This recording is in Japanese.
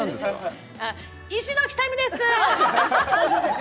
医師の喜多見です。